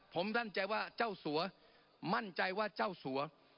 ผมมั่นใจว่าเจ้าสัวมั่นใจว่าเจ้าสัว